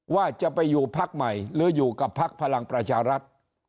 ว่าจะไปอยู่พักใหม่หรืออยู่กับพักพลังประชารัฐ